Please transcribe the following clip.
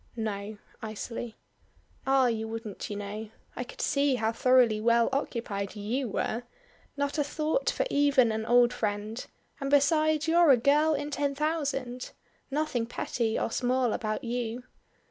"No," icily. "Ah, you wouldn't, you know. I could see how thoroughly well occupied you were! Not a thought for even an old friend; and besides you're a girl in ten thousand. Nothing petty or small about you.